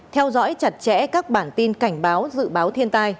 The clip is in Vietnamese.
theo dõi chặt chẽ các bản tin cảnh báo dự báo thiên tai